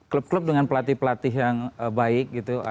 klub klub dengan pelatih pelatih yang baik gitu